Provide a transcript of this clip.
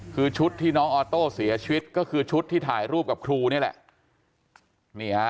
คือชุดที่น้องออโต้เสียชีวิตก็คือชุดที่ถ่ายรูปกับครูนี่แหละ